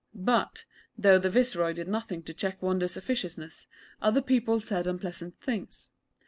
But, though the Viceroy did nothing to check Wonder's officiousness, other people said unpleasant things.